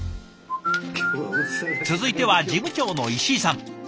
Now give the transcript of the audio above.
続いては事務長の石井さん。